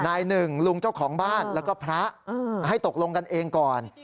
นายหนึ่งลุงเจ้าของบ้านแล้วก็พระให้ตกลงกันเองก่อน